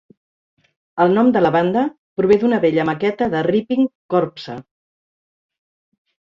El nom de la banda prové d'una vella maqueta de Ripping Corpse.